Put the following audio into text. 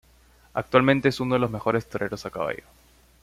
Actualmente es uno de los mejores toreros a caballo.